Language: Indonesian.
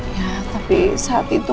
ya tapi saat itu